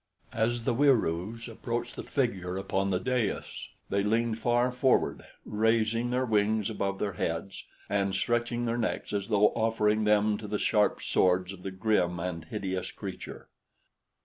As the Wieroos approached the figure upon the dais, they leaned far forward, raising their wings above their heads and stretching their necks as though offering them to the sharp swords of the grim and hideous creature.